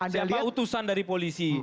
siapa utusan dari polisi